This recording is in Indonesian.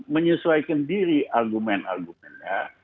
menyesuaikan diri argumen argumennya